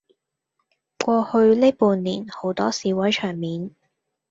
過去呢半年好多示威場面